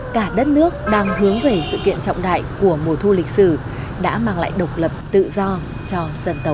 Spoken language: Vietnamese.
cả đất nước đang hướng về sự kiện trọng đại của mùa thu lịch sử đã mang lại độc lập tự do cho dân tộc